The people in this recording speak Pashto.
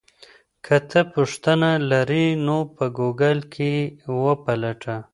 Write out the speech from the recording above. که ته پوښتنه لرې نو په ګوګل کې یې وپلټه.